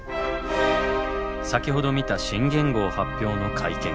先ほど見た新元号発表の会見